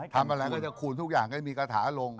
ทำอะไรก็จะคูณทุกอย่างให้มีกระถาลง